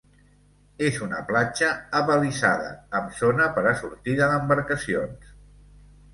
És una platja abalisada, amb zona per a sortida d'embarcacions.